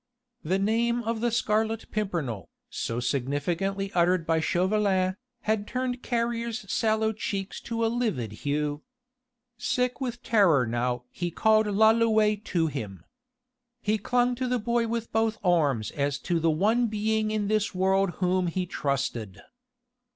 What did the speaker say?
The name of the Scarlet Pimpernel, so significantly uttered by Chauvelin, had turned Carrier's sallow cheeks to a livid hue. Sick with terror now he called Lalouët to him. He clung to the boy with both arms as to the one being in this world whom he trusted.